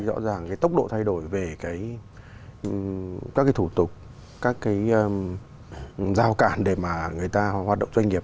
rõ ràng cái tốc độ thay đổi về các cái thủ tục các cái giao cản để mà người ta hoạt động doanh nghiệp